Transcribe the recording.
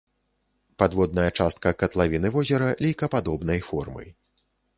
Падводная частка катлавіны возера лейкападобнай формы.